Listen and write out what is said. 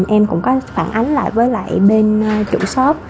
em cũng có phản ánh lại với lại bên chủ shop